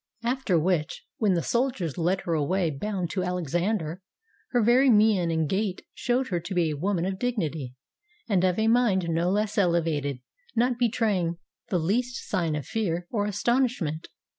After which, when the soldiers led her away bound to Alexan der, her very mien and gait showed her to be a woman of dignity, and of a mind no less elevated, not betraying the least sign of fear or astonishment.